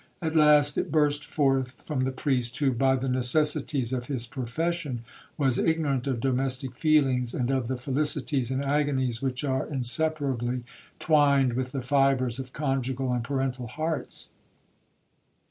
At last it burst forth from the priest, who, by the necessities of his profession, was ignorant of domestic feelings, and of the felicities and agonies which are inseparably twined with the fibres of conjugal and parental hearts.